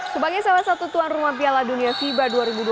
sebagai salah satu tuan rumah piala dunia fiba dua ribu dua puluh